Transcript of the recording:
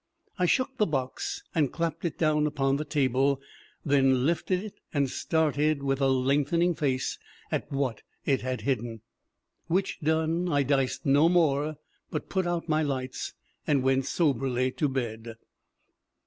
"I shook the box and clapped it down upon the table, then lifted it, and stared with a lengthening face at what it had hidden; which done, I diced no more, but put out my lights and went soberly to bed."